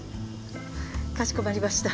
かしこまりました